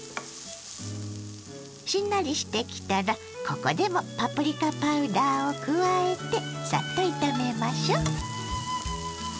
しんなりしてきたらここでもパプリカパウダーを加えてサッと炒めましょ。